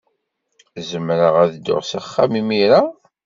Zemreɣ ad dduɣ s axxam imir-a?